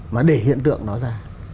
mà để hiện tượng nó ra